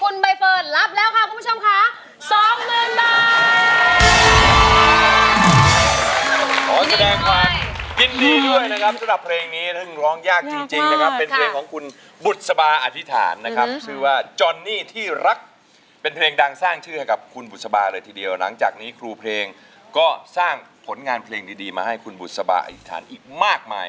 ในเพลงที่สามแบบนี้คุณใบเฟิร์นรับแล้วค่ะคุณผู้ชมค่ะ